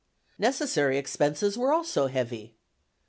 Necessary expenses were also heavy.